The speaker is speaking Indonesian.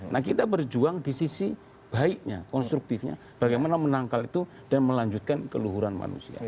nah kita berjuang di sisi baiknya konstruktifnya bagaimana menangkal itu dan melanjutkan keluhuran manusia